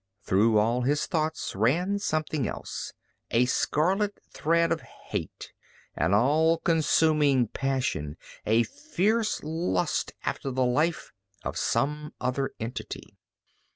Through all his thoughts ran something else, a scarlet thread of hate, an all consuming passion, a fierce lust after the life of some other entity.